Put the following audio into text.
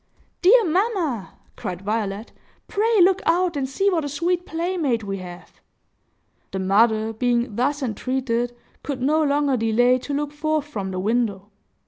"Dear mamma!" cried Violet, "pray look out and see what a sweet playmate we have!" The mother, being thus entreated, could no longer delay to look forth from the window.